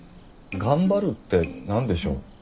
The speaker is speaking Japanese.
「頑張る」って何でしょう？